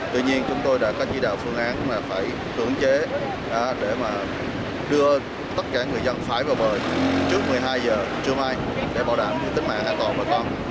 tuy nhiên chúng tôi đã có chỉ đạo phương án là phải cưỡng chế để mà đưa tất cả người dân phải vào bờ trước một mươi hai h trưa mai để bảo đảm tính mạng an toàn bà con